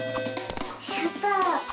やった！